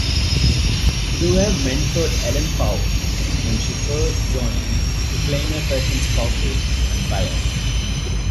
Doerr mentored Ellen Pao when she first joined Kleiner Perkins Caufield and Byers.